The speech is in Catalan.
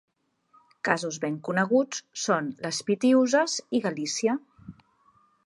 Casos ben coneguts són les Pitiüses i Galícia.